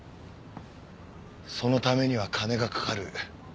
そのためには金がかかる。